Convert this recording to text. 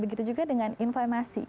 begitu juga dengan informasi